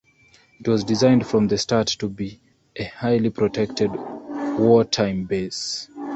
It was designed from the start to be a highly protected wartime base.